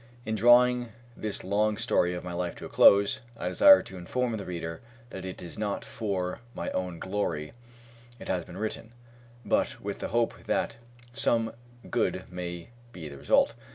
In drawing this long story of my life to a close, I desire to inform the reader that it is not for my own glory it has been written, but with the hope that some good may be the result.